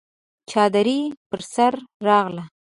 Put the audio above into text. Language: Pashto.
چادري پر سر راغله!